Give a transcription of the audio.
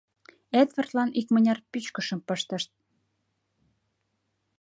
Эдвардлан икмыняр пӱчкышым пыштышт.